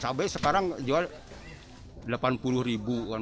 cabai sekarang jual rp delapan puluh